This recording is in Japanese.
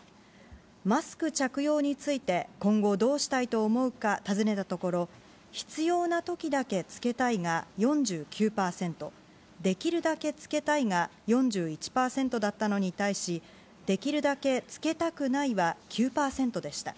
マスク着用について今後どうしたいと思うか尋ねたところ、必要なときだけ着けたいが４９％、できるだけ着けたいが４１％だったのに対し、できるだけ着けたくないは９％でした。